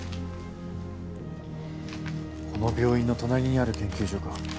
この病院の隣にある研究所か。